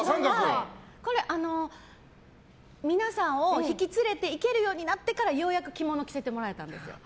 皆さんを引き連れていけるようになってからようやく着物を着せてもらえたんです。